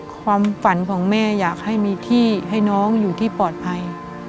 ความฝันของแม่อยากให้มีที่ให้น้องอยู่ที่ปลอดภัย